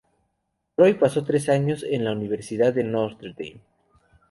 Troy pasó tres años en la Universidad de Notre Dame.